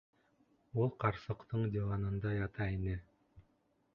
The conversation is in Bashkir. Ул ҡарсыҡтың диванында ята ине.